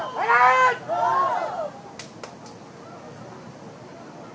ไม่ร้อน